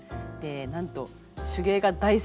なんと手芸が大好きで。